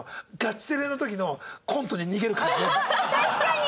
確かに！